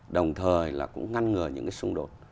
đồng thời là cũng ngăn ngừa những cái xung đột